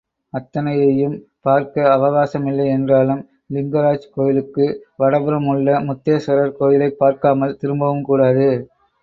அத்தனையையும் பார்க்க அவகாசமில்லை என்றாலும், லிங்கராஜ் கோயிலுக்கு வடபுறம் உள்ள முக்தேஸ்வரர் கோயிலைப் பார்க்காமல் திரும்பவும் கூடாது.